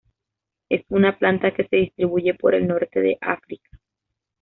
Es una planta que se distribuye por el norte de África.